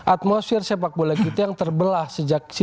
atmosfer sepak bola kita yang terbelah sejauh ini